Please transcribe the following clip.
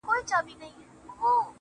چـي اخترونـه پـه واوښـتــل.